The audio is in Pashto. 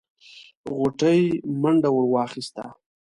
غوټۍ منډه ور واخيسته.